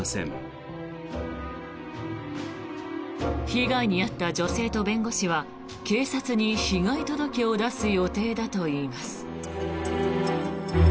被害に遭った女性と弁護士は警察に被害届を出す予定だといいます。